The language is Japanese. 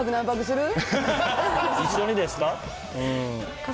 一緒にですか？